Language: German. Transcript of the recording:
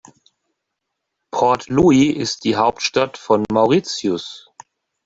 Port Louis ist die Hauptstadt von Mauritius.